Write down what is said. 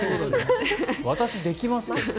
私できますけど。